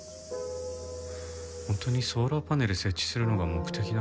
本当にソーラーパネル設置するのが目的なのかな？